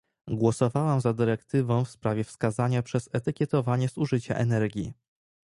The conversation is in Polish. Głosowałam za dyrektywą w sprawie wskazania przez etykietowanie zużycia energii